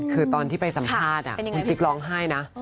คือตอนที่ไปสัมภาษณ์คุณติ๊กร้องไห้นะ